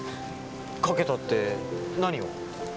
賭けたって何を？